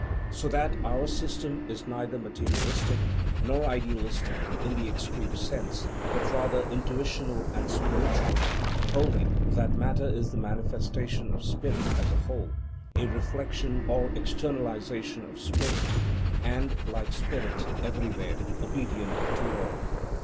So that our system is neither materialistic, nor idealistic in the extreme sense, but rather intuitional and spiritual, holding that matter is the manifestation of spirit as a whole, a reflection or externalization of spirit, and, like spirit, everywhere obedient to law.